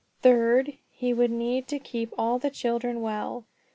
Third, he would need to keep all the other children well.